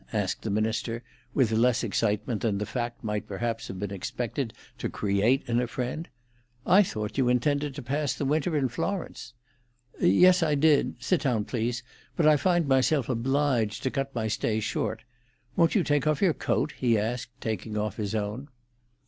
asked the minister, with less excitement than the fact might perhaps have been expected to create in a friend. "I thought you intended to pass the winter in Florence." "Yes, I did—sit down, please—but I find myself obliged to cut my stay short. Won't you take off your coat?" he asked, taking off his own.